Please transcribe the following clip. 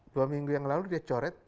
dua minggu yang lalu dia coret